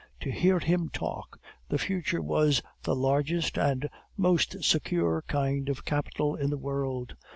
To hear him talk, the future was the largest and most secure kind of capital in the world.